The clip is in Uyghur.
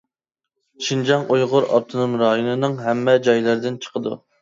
شىنجاڭ ئۇيغۇر ئاپتونوم رايونىنىڭ ھەممە جايلىرىدىن چىقىدۇ.